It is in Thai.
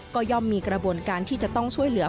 ก็ย่อมมีกระบวนการที่จะต้องช่วยเหลือ